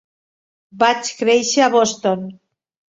Vaig créixer a Boston.